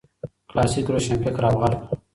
کلاسیک روشنفکر او غرب